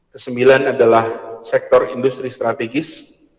ke sembilan adalah sektor industri strategis